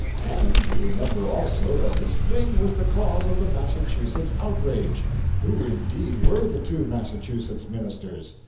And you remember also, that this thing was the cause of the Massachusetts outrage. Who, indeed, were the two Massachusetts ministers?